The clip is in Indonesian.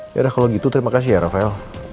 yaudah kalau gitu terima kasih ya rafael